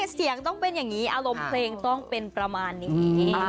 เสียงต้องเป็นอย่างนี้อารมณ์เพลงต้องเป็นประมาณนี้